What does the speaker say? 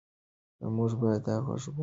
موږ باید دا غږ واورو.